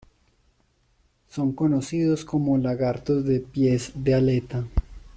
Son conocidos como lagartos de pies de aleta.